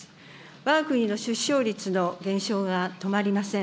わが国の出生率の減少が止まりません。